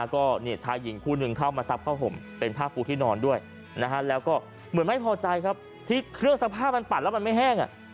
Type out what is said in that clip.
ก็ชายหญิงคู่หนึ่งเข้ามาซับผ้าห่มเป็นผ้าปูที่นอนด้วยแล้วก็เหมือนไม่พอใจครับที่เครื่องซักผ้ามันปั่นแล้วมันไม่แห้ง